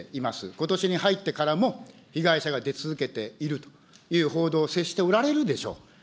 ことしに入ってからも被害者が出続けているという報道、接しておられるでしょう。